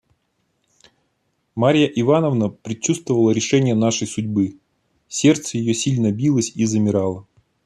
Марья Ивановна предчувствовала решение нашей судьбы; сердце ее сильно билось и замирало.